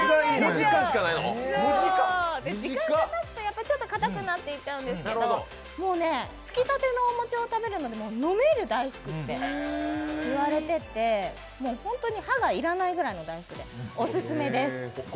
時間がたつとやっぱりちょっとかたくなっていっちゃうんですけどつきたてのお餅を食べるので飲める大福って言われてて本当に歯がいらないぐらいの大福でオススメです。